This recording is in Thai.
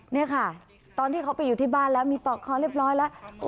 นี่ค่ะตอนที่เขาไปอยู่ที่บ้านแล้วมีปอกคอเรียบร้อยแล้ว